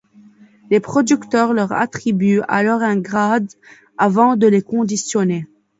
Les producteurs leur attribuent alors un grade avant de les conditionner.